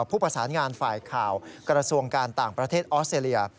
ผู้ประสานงานฝ่ายข่าวกระทรวงการต่างประเทศออสเตรเลีย